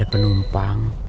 ya kan tuan